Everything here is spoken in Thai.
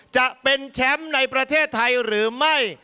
จะเป็นแชมป์ในประเทศไทยหรือไม่